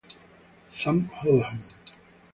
Sam Oldham